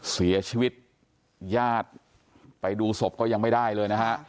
เสียชีวิตญาติไปดูศพก็ยังไม่ได้เลยนะฮะ